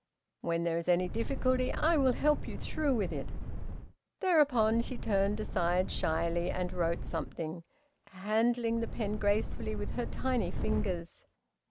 When there is any difficulty I will help you through with it." Thereupon she turned aside shyly and wrote something, handling the pen gracefully with her tiny fingers.